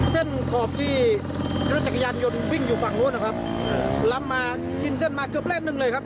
ขอบที่รถจักรยานยนต์วิ่งอยู่ฝั่งนู้นนะครับล้ำมากินเส้นมาเกือบเล่นหนึ่งเลยครับ